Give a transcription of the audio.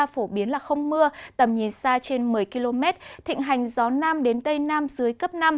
phổ biến là không mưa tầm nhìn xa trên một mươi km thịnh hành gió nam đến tây nam dưới cấp năm